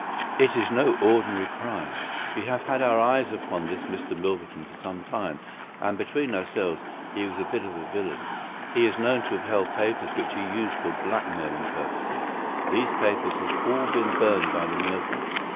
It is no ordinary crime. We have had our eyes upon this Mr. Milverton for some time, and, between ourselves, he was a bit of a villain. He is known to have held papers which he used for blackmailing purposes. These papers have all been burned by the murderers.